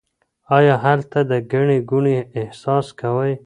آیا هلته د ګڼې ګوڼې احساس کوئ؟